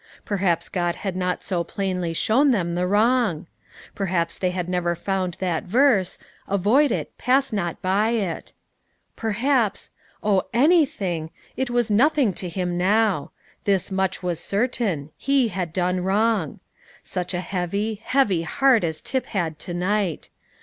Perhaps God had not so plainly shown them the wrong. Perhaps they had never found that verse: "Avoid it, pass not by it." Perhaps oh, anything it was nothing to him now. This much was certain: he had done wrong. Such a heavy, heavy heart as Tip had to night.